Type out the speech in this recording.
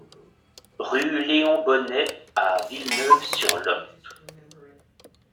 Rue Léon Bonnet à Villeneuve-sur-Lot